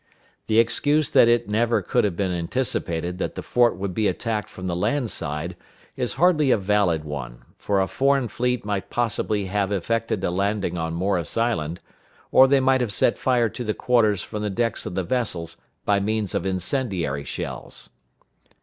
The excuse that it never could have been anticipated that the fort would be attacked from the land side is hardly a valid one, for a foreign fleet might possibly have effected a landing on Morris Island; or they might have set fire to the quarters from the decks of the vessels by means of incendiary shells.